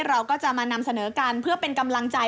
เราก็จะมานำเสนอกันเพื่อเป็นกำลังใจ